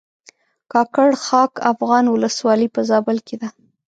کاکړ خاک افغان ولسوالۍ په زابل کښې ده